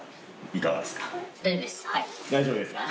大丈夫ですか？